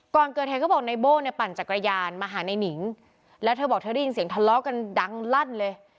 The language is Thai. ก่อนเกิดเหตุก็บอกในโบ้เนี่ยปั่นจักรยานมาหาในหนิงแล้วเธอบอกเธอได้ยินเสียงทะเลาะกันดังลั่นเลย